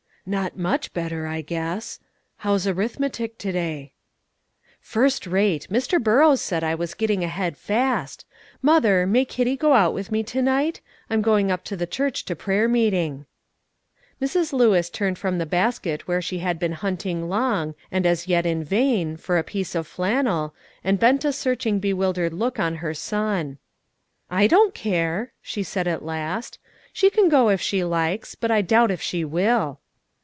"Not much better, I guess. How's arithmetic to day?" "First rate; Mr. Burrows said I was getting ahead fast. Mother, may Kitty go out with me to night? I'm going up to the church to prayer meeting." Mrs. Lewis turned from the basket where she had been hunting long, and as yet in vain, for a piece of flannel, and bent a searching bewildered look on her son. "I don't care," she said at last; "she can go if she likes; but I doubt if she will."